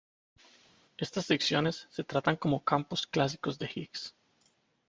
Estas secciones se tratan como campos clásicos de Higgs.